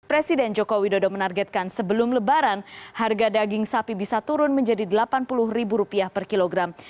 presiden joko widodo menargetkan sebelum lebaran harga daging sapi bisa turun menjadi rp delapan puluh per kilogram